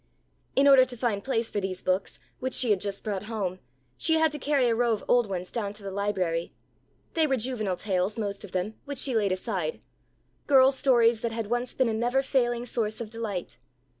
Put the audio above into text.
In order to find place for these books, which she had just brought home, she had to carry a row of old ones down to the library. They were juvenile tales, most of them, which she laid aside; girls' stories that had once been a never failing source of delight.